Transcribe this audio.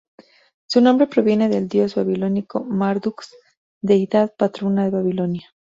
Su nombre proviene del dios babilónico Marduk, deidad patrona de Babilonia.